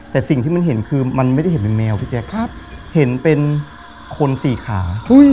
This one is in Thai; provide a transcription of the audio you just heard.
แต่สิ่งที่มันเห็นคือมันไม่ได้เห็นเป็นแมวพี่แจ๊คเห็นเป็นคนสี่ขา